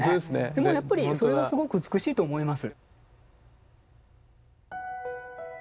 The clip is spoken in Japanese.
でもやっぱりそれがすごく美しいと思います。